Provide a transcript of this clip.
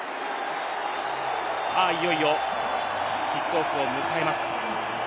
いよいよキックオフを迎えます。